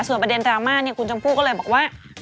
ส่วนประเด็นดราม่าเนี่ยคุณชมพู่ก็เลยบอกว่า